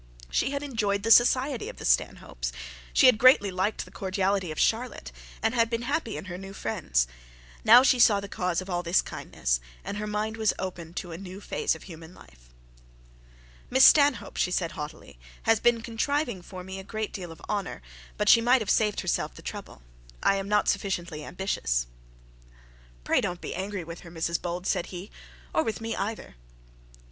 She had enjoyed the society of the Stanhopes, she had greatly liked the cordiality of Charlotte, and had been happy in her new friends. Now she saw the cause of all that kindness, and her mind was opened to a new phase of human life. 'Miss Stanhope,' said she haughtily, 'has been contriving for me a great deal of honour, but she might have saved herself the trouble. I an not sufficiently ambitious.' 'Pray don't be angry with her, Mrs Bold,' said he, 'or with me either.'